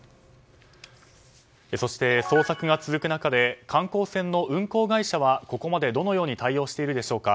そして、捜索が続く中で観光船の運航会社はここまでどのように対応しているのでしょうか。